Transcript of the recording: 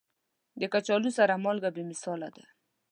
د کچالو سره مالګه بې مثاله ده.